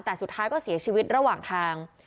แต่สุดท้ายก็เสียชีวิตระหว่างทาง